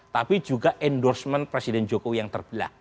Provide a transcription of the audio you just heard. tapi juga endorsement presiden jokowi yang terbelah